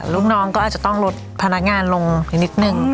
ลูกน้องก็อาจจะต้องลดพนักงานลงนิดนึง